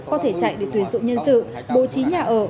có thể chạy để tuyển dụng nhân sự bố trí nhà ở